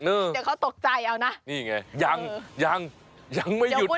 เดี๋ยวเขาตกใจเอานะนี่ไงยังยังยังไม่หยุด